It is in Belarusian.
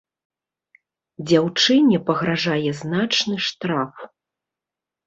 Дзяўчыне пагражае значны штраф.